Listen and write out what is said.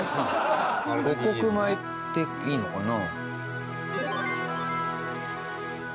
五穀米でいいのかな？